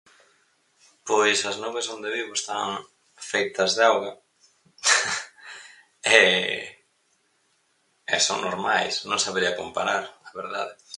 Pois as nubes onde vivo están feitas de auga e e son normais, non sabería comparar, a verdade.